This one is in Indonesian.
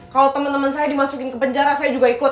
kalau teman teman saya dimasukin ke penjara saya juga ikut